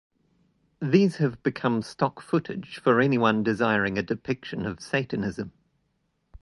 These have become stock footage for anyone desiring a depiction of Satanism.